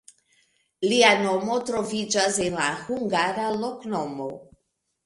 Lia nomo troviĝas en la hungara loknomo.